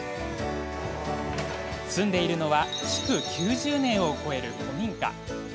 住んでいるのは築９０年を超える古民家。